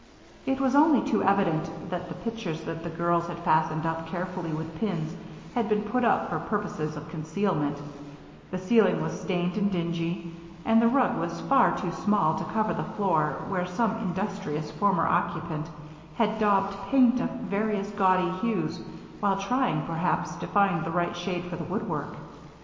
It was only too evident that the pictures that the girls had fastened up carefully with pins had been put up for purposes of concealment, the ceiling was stained and dingy, and the rug was far too small to cover the floor where some industrious former occupant had daubed paint of various gaudy hues while trying, perhaps, to find the right shade for the woodwork.